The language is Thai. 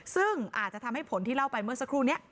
ซึ่งอาจจะทำให้ผลที่เล่าไปเมื่อสักครู่นี้